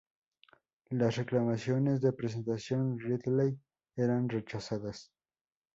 Las reclamaciones de Presentación Ridley eran rechazadas.